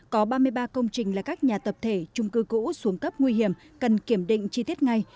có ba mươi ba công trình là các nhà tập thể trung cư cũ xuống cấp nguy hiểm cần kiểm định chi tiết ngay